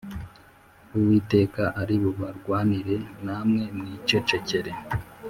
Uwiteka ari bubarwanire namwe mwicecekere